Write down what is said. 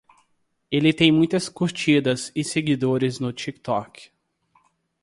Ele tem muitas curtidas e seguidores no TikTok